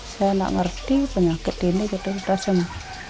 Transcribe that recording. saya enggak ngerti penyakit ini gitu